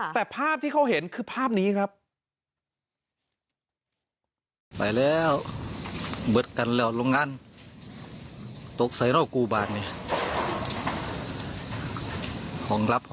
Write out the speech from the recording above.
แต่ภาพที่เขาเห็นคือภาพนี้ครับ